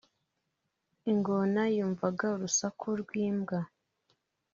Ingona yumvaga urusaku rw’imbwa